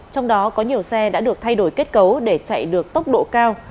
trong đó có nhiều xe đã được thay đổi kết cấu để chạy được tốc độ cao